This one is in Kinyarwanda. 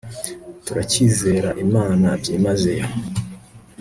turacyizera imana byimazeyo